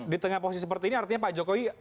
di tengah posisi seperti ini artinya pak jokowi